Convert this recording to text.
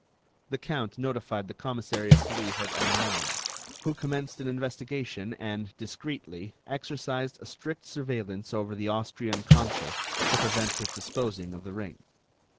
The count notified the commissary of police at Amiens, who commenced an investigation and, discreetly, exercised a strict surveillance over the Austrian consul to prevent his disposing of the ring.